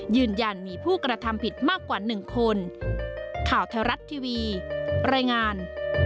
ยืนยันมีผู้กระทำผิดมากกว่า๑คนข่าวไทยรัฐทีวีรายงาน